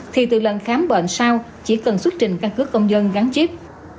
thì từ lần khám bệnh sau chỉ cần xuất trình căn cứ công dân gắn chip